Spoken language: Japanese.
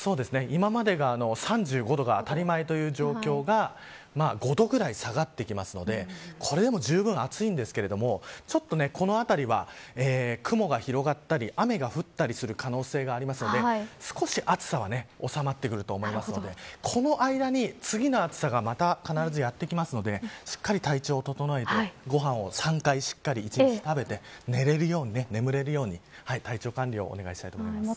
今までが３５度が当たり前という状況が５度くらい下がってきますのでこれでもじゅうぶん暑いんですがちょっとこのあたりは、雲が広がったり雨が降ったりする可能性がありますので少し暑さは収まってくると思いますのでこの間に、次の暑さが必ずまたやって来ますのでしっかり体調を整えてご飯をしっかり３回食べて眠れるように体調管理をお願いしたいと思います。